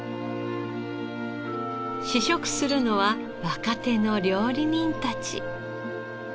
試食するのは若手の料理人たち。